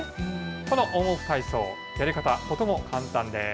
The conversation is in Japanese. このオンオフ体操、やり方、とても簡単です。